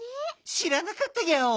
しらなかったギャオ。